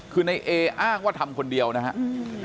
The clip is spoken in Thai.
คือในเออ้างว่าทำคนเดียวนะครับ